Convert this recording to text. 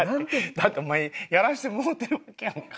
だってお前やらせてもうてるやんか。